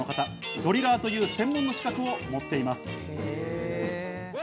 ドリラーという専門の資格を持っています。